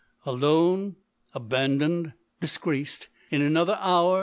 Alone, abandoned, disgraced, in another hour LODoni